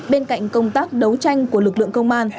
bên cạnh công tác đấu tranh của lực lượng công an